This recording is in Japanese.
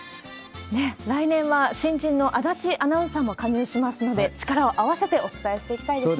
来年は新人の足立アナウンサーも加入しますので、力を合わせてお伝えしていきたいですね。